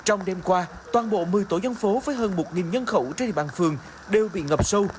trong đêm qua toàn bộ một mươi tổ dân phố với hơn một nhân khẩu trên địa bàn phường đều bị ngập sâu